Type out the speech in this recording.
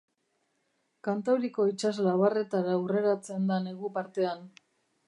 Kantauriko itsas labarretara hurreratzen da negu partean.